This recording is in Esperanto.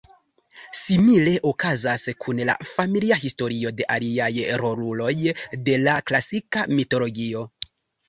Simile okazas kun la "familia" historio de aliaj roluloj de la klasika mitologio.